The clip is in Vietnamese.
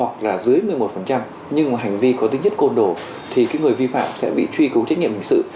từ một mươi một nhưng mà hành vi có tính chất côn đồ thì người vi phạm sẽ bị truy cứu trách nhiệm hình sự